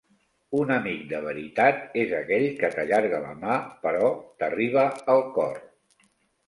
Un amic de veritat és aquell que t'allarga la mà, però t'arriba al cor.